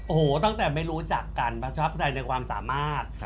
โอ้โหตั้งแต่ไม่รู้จักกันประทับใจในความสามารถ